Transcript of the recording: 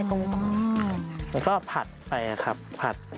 แล้วก็ผ่าค่ะโดยทักไปแล้วค่ะ